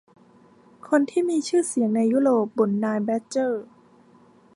คนที่มีชื่อเสียงในยุโรปบ่นนายแบดเจอร์